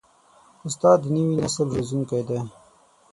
استاد د نوي نسل روزونکی دی.